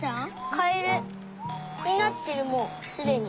カエルになってるもうすでに。